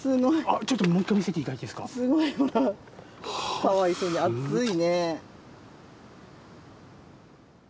かわいそうに暑いね。